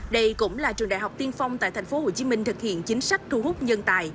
đây cũng là trường đại học tiên phong tại tp hcm thực hiện chính sách thu hút nhân tài